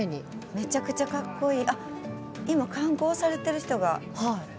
めちゃくちゃかっこいい。